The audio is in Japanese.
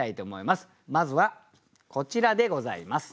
まずはこちらでございます。